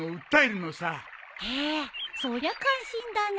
へえそりゃ感心だね。